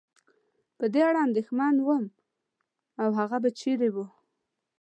د په اړه اندېښمن ووم، هغه به چېرې و؟